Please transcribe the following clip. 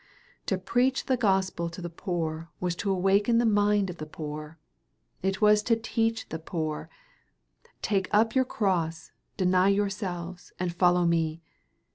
To preach the gospel to the poor was to awaken the mind of the poor. It was to teach the poor "Take up your cross, deny yourselves, and follow me.